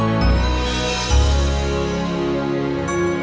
eh singkir kustap